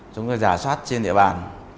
chúng ta giả soát trên địa bàn